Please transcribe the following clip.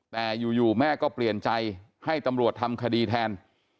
แต่อยู่แม่ก็เปลี่ยนใจให้ตำรวจทำคดีแทน